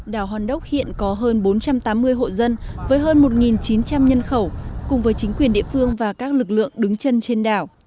đảo hòn đốc hiện có hơn bốn trăm tám mươi hộ dân với hơn một chín trăm linh nhân khẩu cùng với chính quyền địa phương và các lực lượng đứng chân trên đảo